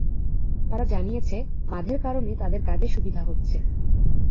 তারা জানিয়েছে, বাঁধের কারণে তাদের কাজে সুবিধা হচ্ছে।